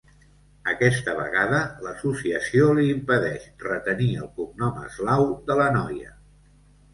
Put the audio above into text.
Aquesta vegada l'associació li impedeix retenir el cognom eslau de la noia.